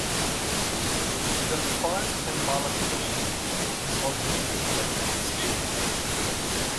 The five tambala coin is of nickel-plated steel.